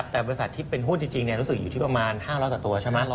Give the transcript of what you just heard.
แต่บริษัทที่เป็นหุ้นจริงรู้สึกอยู่ที่ประมาณ๕๐๐กว่าตัวใช่ไหม